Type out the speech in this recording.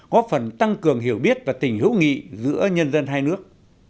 góp phần tăng cường hiểu biết và tình hữu nghị giữa nhân dân hai nước